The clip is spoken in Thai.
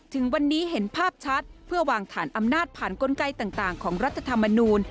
ถึงวันนี้เห็นภาพชัดเพื่อวางฐานอำนาจผ่านกลไกต่างของรัฐธรรมนูล